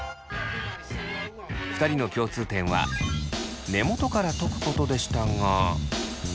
２人の共通点は根元からとくことでしたが。